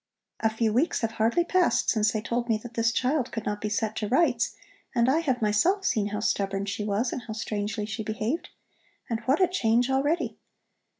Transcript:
"A few weeks have hardly passed since they told me that this child could not be set to rights, and I have myself seen how stubborn she was and how strangely she behaved. And what a change already!